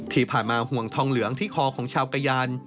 ที่ผ่านมาห่วงทองเหลืองที่คอของชาวกะยาน